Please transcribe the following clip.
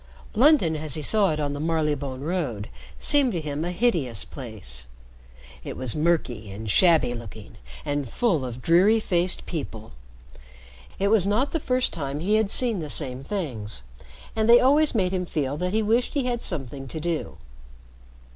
London as he saw it in the Marylebone Road seemed to him a hideous place. It was murky and shabby looking, and full of dreary faced people. It was not the first time he had seen the same things, and they always made him feel that he wished he had something to do.